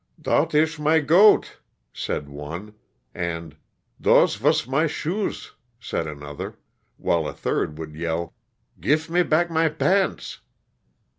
*^Dot ish my goat," said one, and "dose vas my shoes," said another, while a third would yell, ''gif me pack my bants."